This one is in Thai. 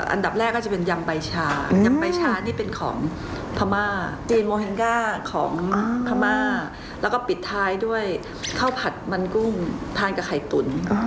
อันดับแรกก็จะเป็นยำใบชาอันดับแรกก็จะเป็นยำใบชานี่เป็นของภามากภถาลด้วยข้าวผัดมันกุ้งทานกับไข่ตุ๋น